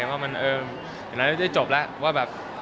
ถึงทีนี้มันกดจบแล้ว